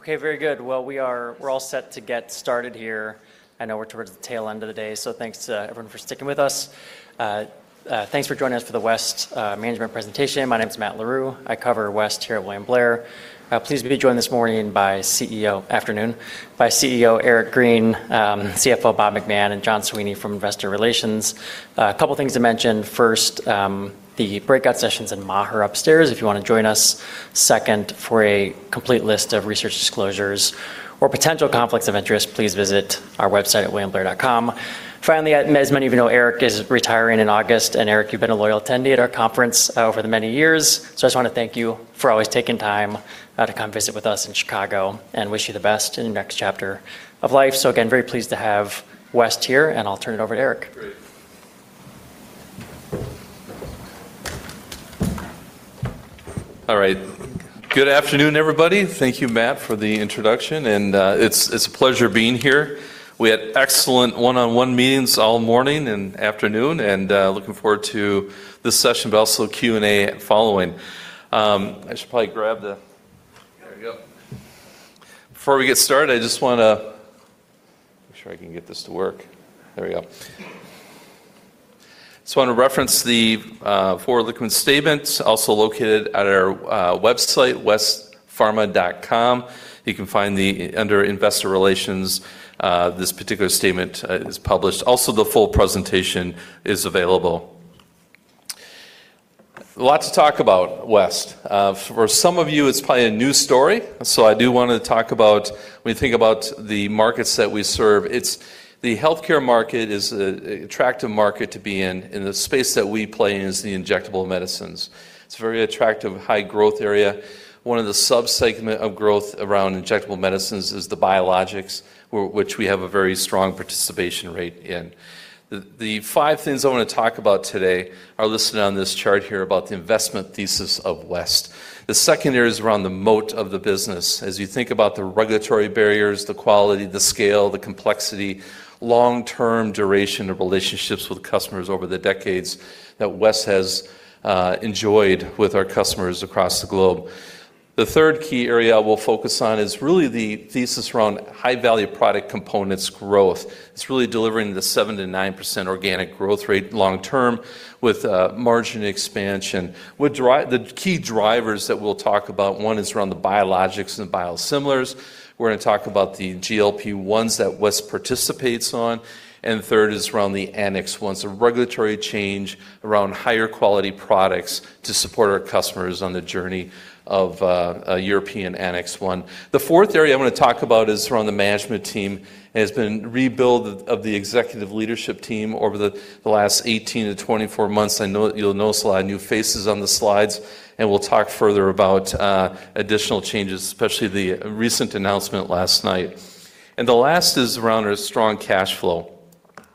Okay, very good. Well, we're all set to get started here. I know we're towards the tail end of the day, thanks to everyone for sticking with us. Thanks for joining us for the West management presentation. My name's Matthew Larew. I cover West here at William Blair. Pleased to be joined this morning, afternoon, by CEO Eric Green, CFO Robert McMahon, and John Sweeney from Investor Relations. A couple things to mention. First, the breakout session's in Maher upstairs if you want to join us. Second, for a complete list of research disclosures or potential conflicts of interest, please visit our website at williamblair.com. Finally, as many of you know, Eric is retiring in August. Eric, you've been a loyal attendee at our conference over the many years. I just want to thank you for always taking time to come visit with us in Chicago, and wish you the best in the next chapter of life. Again, very pleased to have West here, and I'll turn it over to Eric. Great. All right. Good afternoon, everybody. Thank you, Matt, for the introduction. It's a pleasure being here. We had excellent one-on-one meetings all morning and afternoon. Looking forward to this session, but also Q&A following. I should probably grab that. There we go. Before we get started, I just want to make sure I can get this to work. There we go. Just want to reference the forward-looking statements also located at our website, westpharma.com. You can find under Investor Relations, this particular statement is published. The full presentation is available. A lot to talk about West. For some of you, it's probably a new story, so I do want to talk about when we think about the markets that we serve. The healthcare market is an attractive market to be in, and the space that we play in is the injectable medicines. It's a very attractive, high-growth area. One of the sub-segment of growth around injectable medicines is the biologics, which we have a very strong participation rate in. The five things I want to talk about today are listed on this chart here about the investment thesis of West. The second area is around the moat of the business. As you think about the regulatory barriers, the quality, the scale, the complexity, long-term duration of relationships with customers over the decades that West has enjoyed with our customers across the globe. The third key area we'll focus on is really the thesis around High-Value Product components growth. It's really delivering the 7%-9% organic growth rate long term with margin expansion. The key drivers that we'll talk about, one is around the biologics and biosimilars. We're going to talk about the GLP-1s that West participates on. The third is around the Annex 1. Regulatory change around higher quality products to support our customers on the journey of a European Annex 1. The fourth area I want to talk about is around the management team, and it's been a rebuild of the executive leadership team over the last 18 to 24 months. You'll notice a lot of new faces on the slides, We'll talk further about additional changes, especially the recent announcement last night. The last is around our strong cash flow.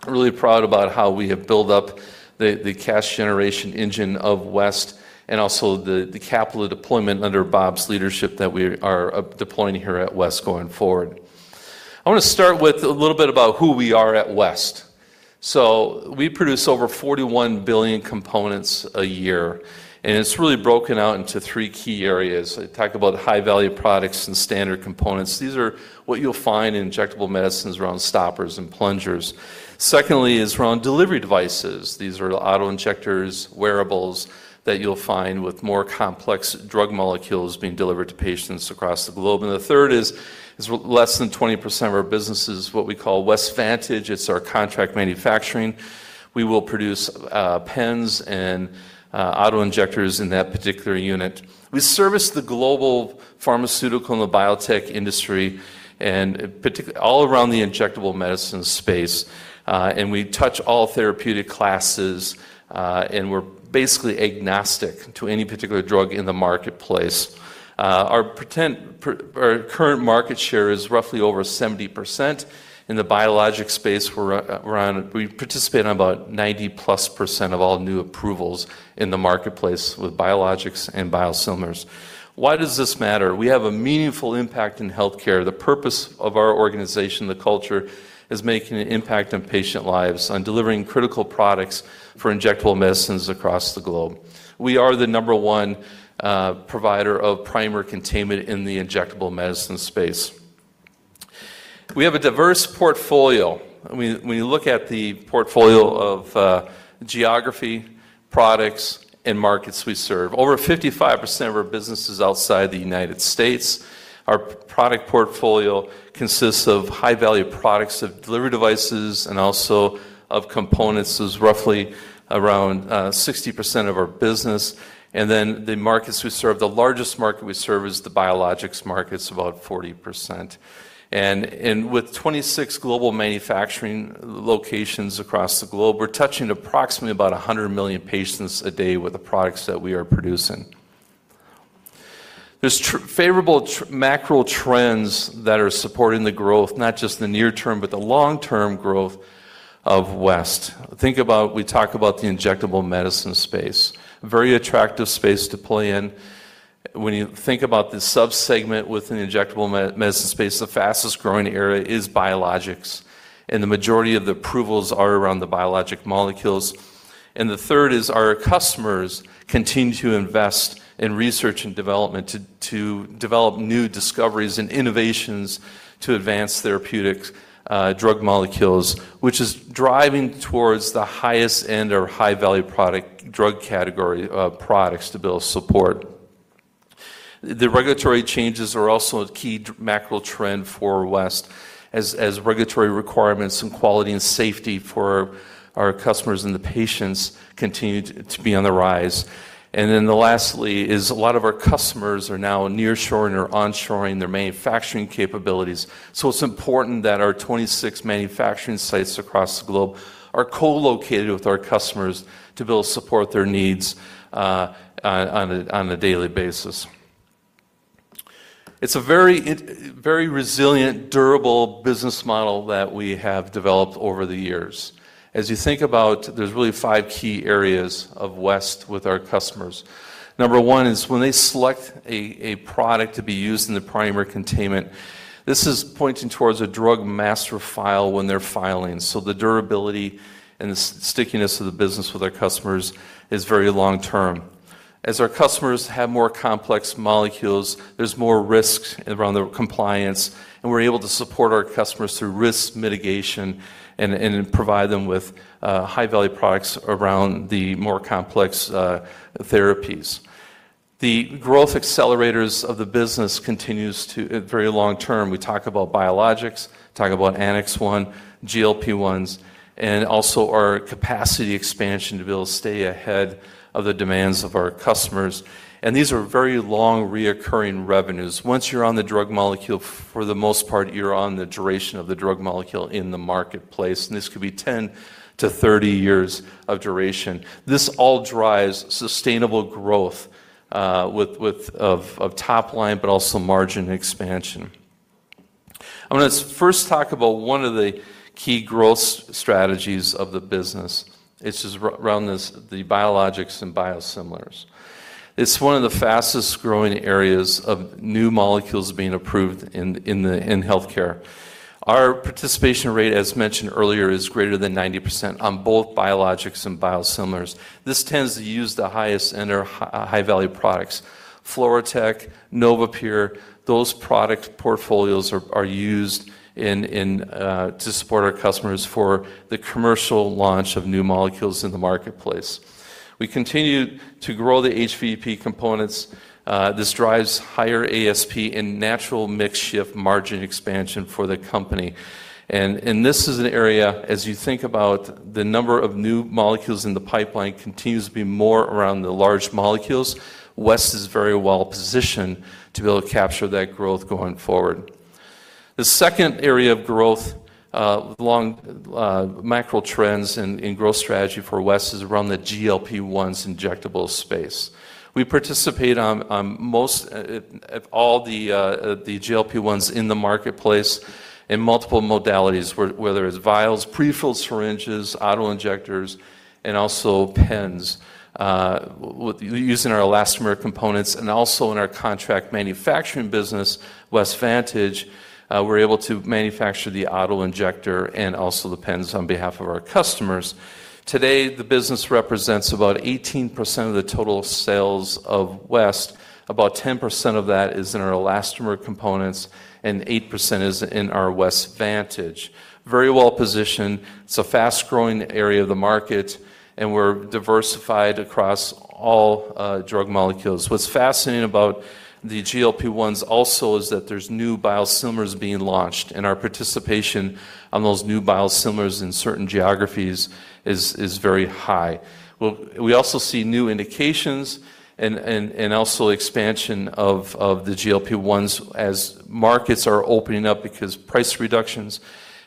I'm really proud about how we have built up the cash generation engine of West and also the capital deployment under Bob's leadership that we are deploying here at West going forward. I want to start with a little bit about who we are at West. We produce over 41 billion components a year, It's really broken out into three key areas. I talk about High-Value Products and standard components. These are what you'll find in injectable medicines around stoppers and plungers. Secondly is around delivery devices. These are the auto-injectors, wearables that you'll find with more complex drug molecules being delivered to patients across the globe. The third is less than 20% of our business is what we call West Vantage. It's our contract manufacturing. We will produce pens and auto-injectors in that particular unit. We service the global pharmaceutical and the biotech industry, all around the injectable medicine space. We touch all therapeutic classes. We're basically agnostic to any particular drug in the marketplace. Our current market share is roughly over 70%. In the biologic space, we participate in about 90%+ of all new approvals in the marketplace with biologics and biosimilars. Why does this matter? We have a meaningful impact in healthcare. The purpose of our organization, the culture, is making an impact on patient lives, on delivering critical products for injectable medicines across the globe. We are the number one provider of primary containment in the injectable medicine space. We have a diverse portfolio when you look at the portfolio of geography, products, and markets we serve. Over 55% of our business is outside the United States. Our product portfolio consists of high-value products of delivery devices and also of components. It's roughly around 60% of our business. The markets we serve, the largest market we serve is the biologics market. It's about 40%. With 26 global manufacturing locations across the globe, we're touching approximately about 100 million patients a day with the products that we are producing. There's favorable macro trends that are supporting the growth, not just the near term, but the long-term growth of West. Think about we talk about the injectable medicine space, a very attractive space to play in. When you think about the sub-segment within the injectable medicine space, the fastest-growing area is biologics, and the majority of the approvals are around the biologic molecules. The third is our customers continue to invest in research and development to develop new discoveries and innovations to advance therapeutics drug molecules, which is driving towards the highest end or high-value drug category of products to build support. The regulatory changes are also a key macro trend for West as regulatory requirements and quality and safety for our customers and the patients continue to be on the rise. Lastly is a lot of our customers are now nearshoring or onshoring their manufacturing capabilities. It's important that our 26 manufacturing sites across the globe are co-located with our customers to build support their needs on a daily basis. It's a very resilient, durable business model that we have developed over the years. As you think about, there's really five key areas of West with our customers. Number one is when they select a product to be used in the primary containment, this is pointing towards a Drug Master File when they're filing. The durability and the stickiness of the business with our customers is very long-term. As our customers have more complex molecules, there's more risks around the compliance, and we're able to support our customers through risk mitigation and provide them with High-Value Products around the more complex therapies. The growth accelerators of the business, very long term, we talk about biologics, talk about Annex 1, GLP-1s, and also our capacity expansion to be able to stay ahead of the demands of our customers. These are very long reoccurring revenues. Once you're on the drug molecule, for the most part, you're on the duration of the drug molecule in the marketplace, and this could be 10-30 years of duration. This all drives sustainable growth of top line, but also margin expansion. I want to first talk about one of the key growth strategies of the business. It's just around the biologics and biosimilars. It's one of the fastest-growing areas of new molecules being approved in healthcare. Our participation rate, as mentioned earlier, is greater than 90% on both biologics and biosimilars. This tends to use the highest end or high-value products. FluroTec, NovaPure, those product portfolios are used to support our customers for the commercial launch of new molecules in the marketplace. We continue to grow the HVP components. This drives higher ASP and natural mix shift margin expansion for the company. This is an area, as you think about the number of new molecules in the pipeline continues to be more around the large molecules, West is very well positioned to be able to capture that growth going forward. The second area of growth, long macro trends and growth strategy for West is around the GLP-1s injectable space. We participate on most, if all, of the GLP-1s in the marketplace in multiple modalities, whether it's vials, prefilled syringes, auto-injectors, and also pens using our elastomer components. Also in our contract manufacturing business, West Vantage, we're able to manufacture the auto-injector and also the pens on behalf of our customers. Today, the business represents about 18% of the total sales of West. About 10% of that is in our elastomer components, and 8% is in our West Vantage. Very well positioned. It's a fast-growing area of the market, and we're diversified across all drug molecules. What's fascinating about the GLP-1s also is that there's new biosimilars being launched, and our participation on those new biosimilars in certain geographies is very high. We also see new indications and also expansion of the GLP-1s as markets are opening up because price reductions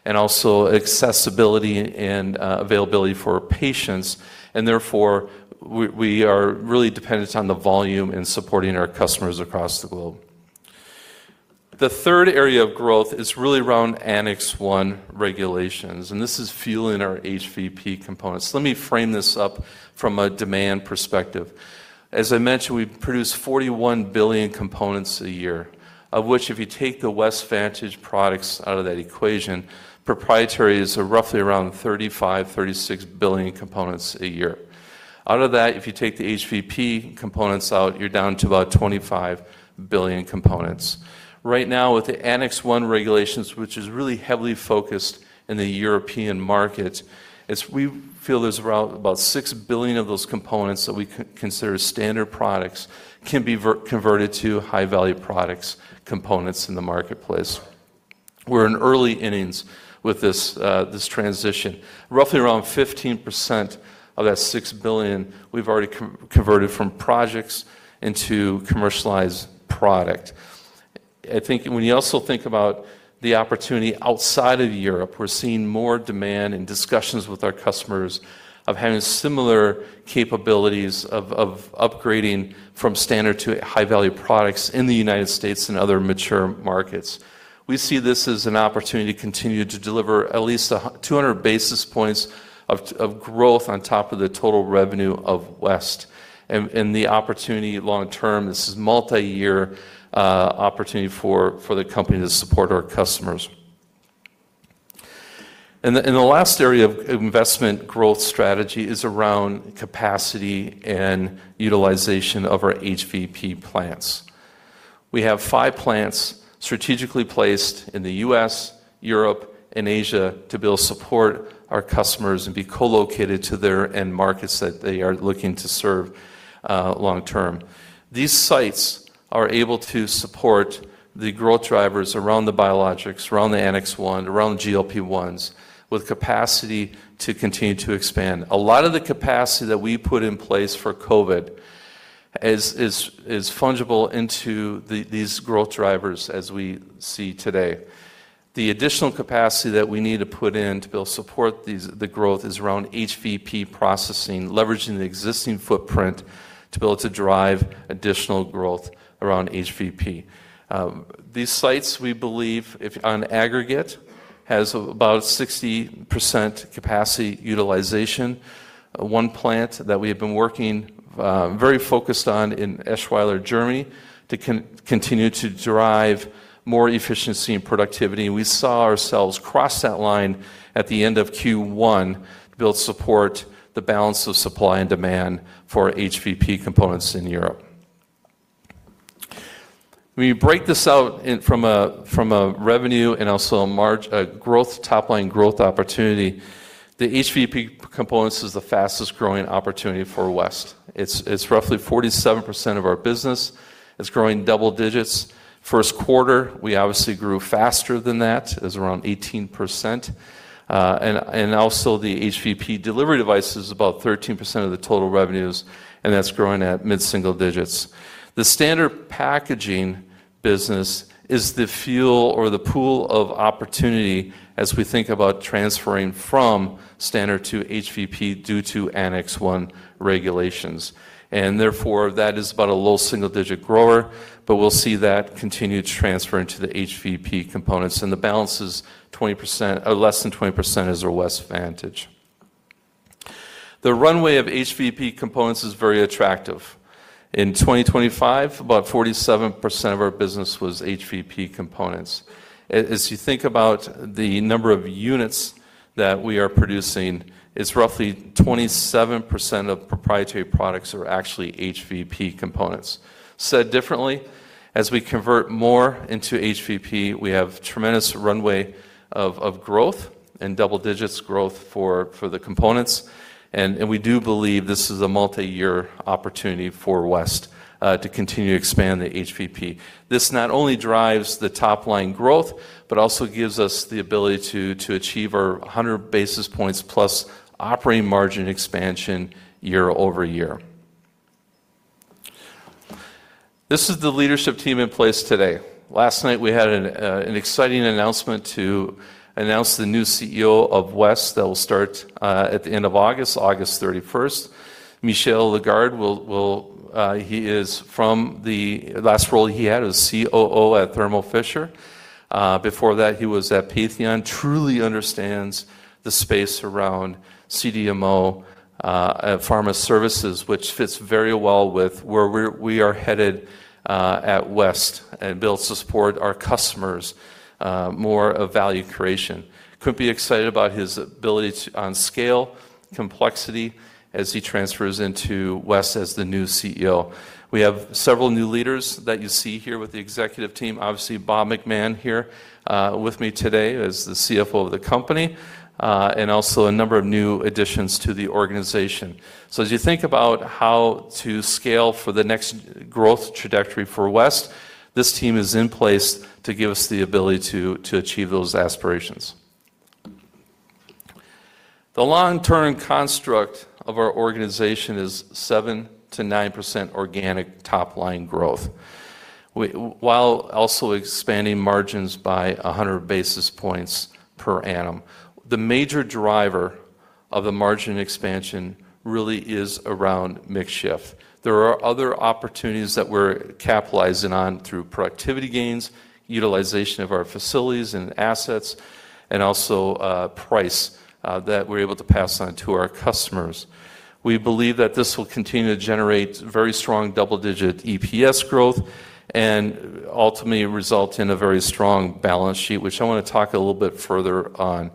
and also accessibility and availability for patients. Therefore, we are really dependent on the volume and supporting our customers across the globe. The third area of growth is really around Annex 1 regulations, and this is fueling our HVP components. Let me frame this up from a demand perspective. As I mentioned, we produce 41 billion components a year, of which if you take the West Vantage products out of that equation, proprietary is roughly around 35, 36 billion components a year. Out of that, if you take the HVP components out, you're down to about 25 billion components. Right now with the Annex 1 regulations, which is really heavily focused in the European market, we feel there's around about six billion of those components that we consider standard products can be converted to High-Value Product components in the marketplace. We're in early innings with this transition. Roughly around 15% of that six billion we've already converted from projects into commercialized product. I think when you also think about the opportunity outside of Europe, we're seeing more demand and discussions with our customers of having similar capabilities of upgrading from standard to High-Value Product in the United States and other mature markets. We see this as an opportunity to continue to deliver at least 200 basis points of growth on top of the total revenue of West. The opportunity long term, this is multi-year opportunity for the company to support our customers. The last area of investment growth strategy is around capacity and utilization of our HVP plants. We have five plants strategically placed in the U.S., Europe, and Asia to build support our customers and be co-located to their end markets that they are looking to serve long term. These sites are able to support the growth drivers around the biologics, around the Annex 1, around GLP-1s with capacity to continue to expand. A lot of the capacity that we put in place for COVID is fungible into these growth drivers as we see today. The additional capacity that we need to put in to build support the growth is around HVP processing, leveraging the existing footprint to be able to drive additional growth around HVP. These sites, we believe, on aggregate, has about 60% capacity utilization. One plant that we have been working very focused on in Eschweiler, Germany, to continue to drive more efficiency and productivity, we saw ourselves cross that line at the end of Q1 to build support the balance of supply and demand for HVP components in Europe. When you break this out from a revenue and also a top-line growth opportunity, the HVP components is the fastest growing opportunity for West. It's roughly 47% of our business. It's growing double digits. First quarter, we obviously grew faster than that. It was around 18%. Also the HVP delivery device is about 13% of the total revenues, and that's growing at mid-single digits. The standard packaging business is the fuel or the pool of opportunity as we think about transferring from standard to HVP due to Annex 1 regulations. Therefore, that is about a low single-digit grower, but we'll see that continue to transfer into the HVP components. The balance is less than 20% is our West Vantage. The runway of HVP components is very attractive. In 2025, about 47% of our business was HVP components. As you think about the number of units that we are producing, it's roughly 27% of proprietary products are actually HVP components. Said differently, as we convert more into HVP, we have tremendous runway of growth and double digits growth for the components, and we do believe this is a multi-year opportunity for West to continue to expand the HVP. This not only drives the top-line growth, but also gives us the ability to achieve our 100 basis points plus operating margin expansion year-over-year. This is the leadership team in place today. Last night, we had an exciting announcement to announce the new CEO of West that will start at the end of August 31st. Michel Lagarde, the last role he had was COO at Thermo Fisher. Before that, he was at Patheon. Truly understands the space around CDMO pharma services, which fits very well with where we are headed at West and builds to support our customers more of value creation. Could be excited about his ability on scale, complexity as he transfers into West as the new CEO. We have several new leaders that you see here with the executive team. Obviously, Bob McMahon here with me today as the CFO of the company, and also a number of new additions to the organization. As you think about how to scale for the next growth trajectory for West, this team is in place to give us the ability to achieve those aspirations. The long-term construct of our organization is 7%-9% organic top-line growth while also expanding margins by 100 basis points per annum. The major driver of the margin expansion really is around mix shift. There are other opportunities that we're capitalizing on through productivity gains, utilization of our facilities and assets, and also price that we're able to pass on to our customers. We believe that this will continue to generate very strong double-digit EPS growth and ultimately result in a very strong balance sheet, which I want to talk a little bit further on.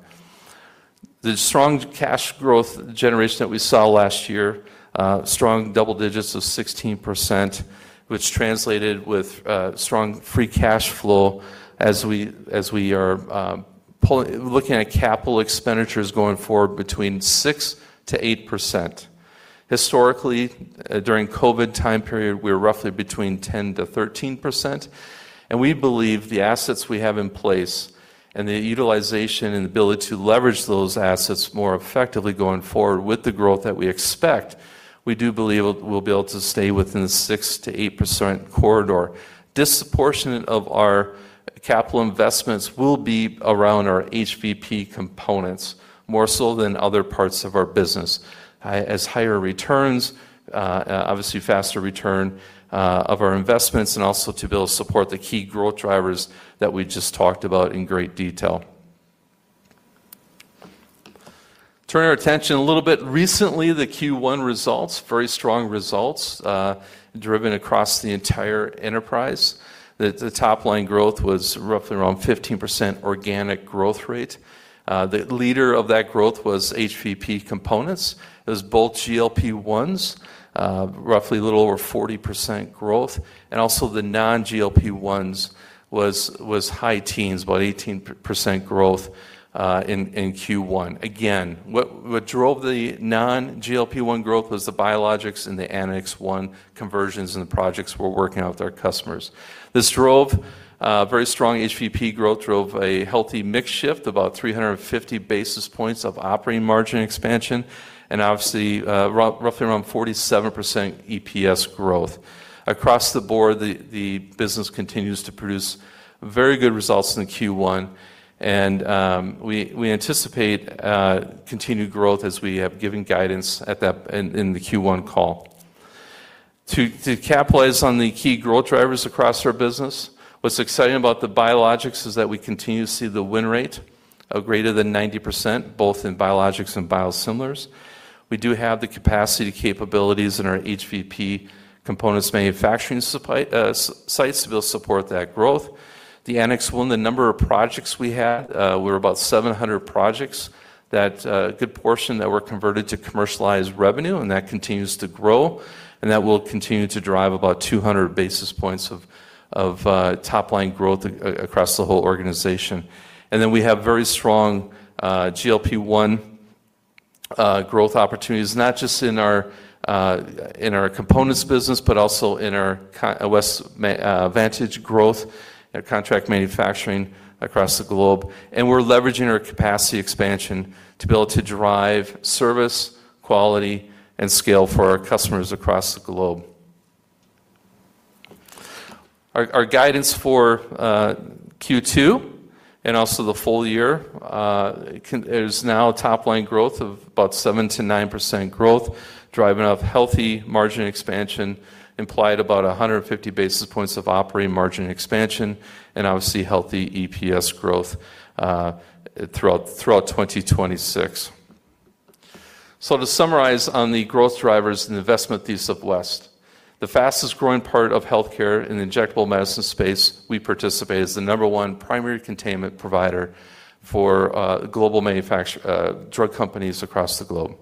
The strong cash growth generation that we saw last year, strong double digits of 16%, which translated with strong free cash flow as we are looking at capital expenditures going forward between 6%-8%. Historically, during COVID time period, we were roughly between 10%-13%, and we believe the assets we have in place and the utilization and ability to leverage those assets more effectively going forward with the growth that we expect, we do believe we'll be able to stay within the 6%-8% corridor. Disproportionate of our capital investments will be around our HVP components more so than other parts of our business as higher returns, obviously faster return of our investments, and also to be able to support the key growth drivers that we just talked about in great detail. Turn our attention a little bit. Recently, the Q1 results, very strong results, driven across the entire enterprise. The top line growth was roughly around 15% organic growth rate. The leader of that growth was HVP components. It was both GLP-1s, roughly a little over 40% growth, and also the non-GLP-1s was high teens, about 18% growth in Q1. Again, what drove the non-GLP-1 growth was the biologics and the Annex 1 conversions and the projects we're working on with our customers. This drove very strong HVP growth, drove a healthy mix shift, about 350 basis points of operating margin expansion, and obviously, roughly around 47% EPS growth. Across the board, the business continues to produce very good results in the Q1, and we anticipate continued growth as we have given guidance in the Q1 call. To capitalize on the key growth drivers across our business, what's exciting about the biologics is that we continue to see the win rate of greater than 90%, both in biologics and biosimilars. We do have the capacity capabilities in our HVP components manufacturing sites to be able to support that growth. The Annex 1, the number of projects we had were about 700 projects, that a good portion that were converted to commercialized revenue, and that continues to grow, and that will continue to drive about 200 basis points of top line growth across the whole organization. We have very strong GLP-1 growth opportunities, not just in our components business, but also in our West Vantage growth contract manufacturing across the globe. We're leveraging our capacity expansion to be able to drive service, quality, and scale for our customers across the globe. Our guidance for Q2 and also the full year is now a top line growth of about 7% to 9% growth, driving off healthy margin expansion, implied about 150 basis points of operating margin expansion, and obviously, healthy EPS growth throughout 2026. To summarize on the growth drivers and investment thesis of West, the fastest growing part of healthcare in injectable medicine space we participate as the number one primary containment provider for global drug companies across the globe.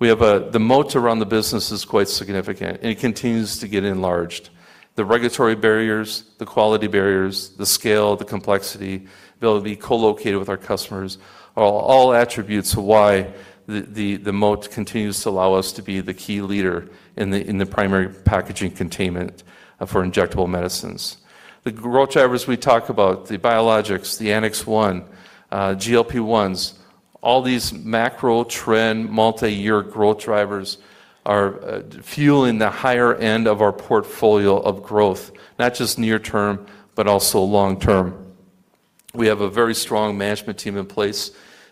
The moat around the business is quite significant, and it continues to get enlarged. The regulatory barriers, the quality barriers, the scale, the complexity, the ability to be co-located with our customers are all attributes of why the moat continues to allow us to be the key leader in the primary packaging containment for injectable medicines. The growth drivers we talk about, the biologics, the Annex 1, GLP-1s, all these macro trend multi-year growth drivers are fueling the higher end of our portfolio of growth, not just near term, but also long term.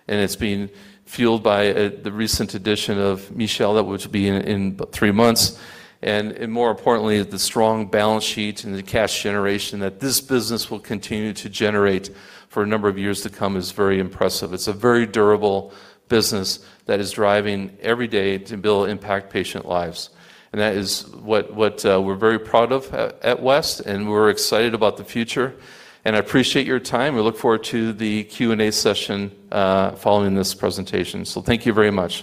It's being fueled by the recent addition of Michel, that would be in three months. More importantly, the strong balance sheet and the cash generation that this business will continue to generate for a number of years to come is very impressive. It's a very durable business that is driving every day to be able to impact patient lives. That is what we're very proud of at West, and we're excited about the future. I appreciate your time. We look forward to the Q&A session following this presentation. Thank you very much.